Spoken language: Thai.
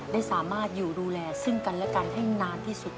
ได้สามารถอยู่ดูแลซึ่งกันและกันให้นานที่สุด